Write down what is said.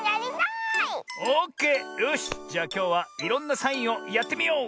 オッケーよしじゃあきょうはいろんなサインをやってみよう！